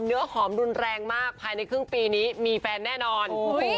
เนื้อหอมรุนแรงมากภายในครึ่งปีนี้มีแฟนแน่นอน